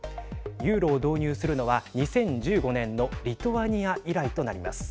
ユーロを導入するのは２０１５年のリトアニア以来となります。